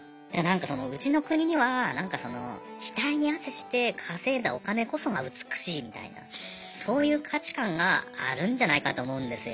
うちの国には額に汗して稼いだお金こそが美しいみたいなそういう価値観があるんじゃないかと思うんですよ。